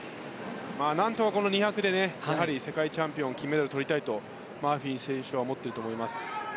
何とかこの２００で世界チャンピオンは金メダルをとりたいとマーフィー選手は思っていると思います。